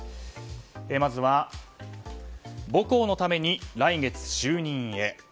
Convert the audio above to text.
まずは母校のために来月就任へ。